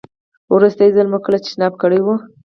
وروستی ځل مو کله تشناب کړی و؟